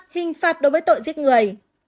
ba hình phạt đối với tội giết người